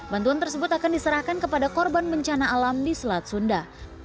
bantuan tersebut akan diserahkan kepada korban bencana alam di selat sunda